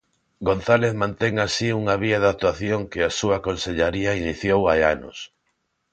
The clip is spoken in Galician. González mantén así unha vía de actuación que a súa Consellaría iniciou hai anos.